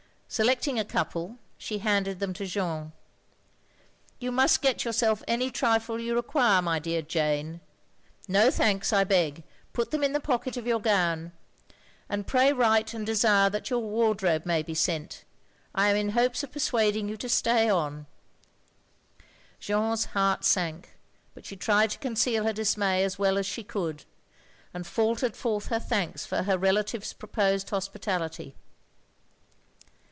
Selecting a couple, she handed them to Jeanne. " You must get yourself any trifle you require, my dear Jane. No thanks, I beg. Put them in the pocket of your gown. And pray write and desire that your wardrobe may be sent. I am in hopes to perstiade you to stay on." Jeanne's heart sank, but she tried to conceal her dismay as well as she could; and faltered forth her thanks for her relative's proposed hospitality.